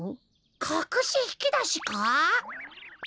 かくしひきだしか？